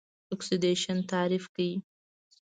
اکسیدیشن تعریف کړئ.